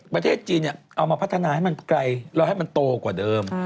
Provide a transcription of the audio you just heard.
ประเทศจีนเอามาพัฒนาให้มันไกลแล้วให้มันโตกว่าเดิม